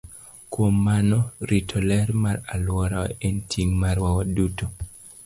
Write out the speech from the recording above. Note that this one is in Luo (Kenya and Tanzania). Kuom mano, rito ler mar alworawa en ting' marwa waduto.